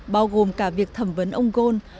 bao gồm cả việc thẩm vấn ông ghosn